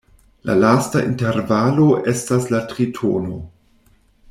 La lasta intervalo estas la tritono.